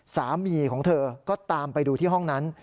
สามีของเธอก็ตามไปดูที่ห้องนั้น